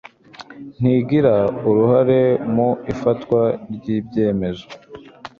ntigira uruhare mu ifatwa ry ibyemezo